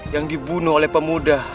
yang dibunuh oleh pemuda